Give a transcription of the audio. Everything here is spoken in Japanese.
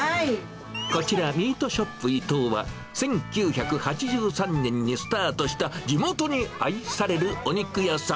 こちら、ミートショップ伊藤は、１９８３年にスタートした、地元に愛されるお肉屋さん。